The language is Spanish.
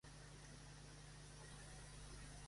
En su juventud, Pepa de Oro se casó con un banderillero.